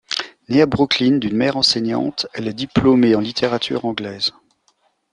Née à Brooklyn, d'une mère enseignante, elle est diplômée en littérature anglaise.